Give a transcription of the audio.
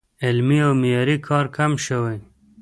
علمي او معیاري کار کم شوی